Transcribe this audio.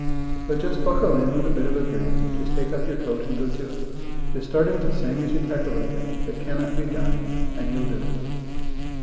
But just buckle in with a bit of a grin, Just take off your coat and go to it; Just start in to sing as you tackle the thing That "cannot be done," and you'll do it.